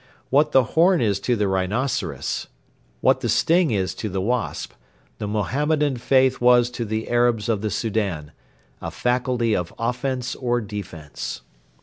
What the horn is to the rhinoceros, what the sting is to the wasp, the Mohammedan faith was to the Arabs of the Soudan a faculty of offence or defence.